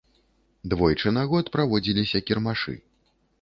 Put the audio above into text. Двойчы на год праводзіліся кірмашы.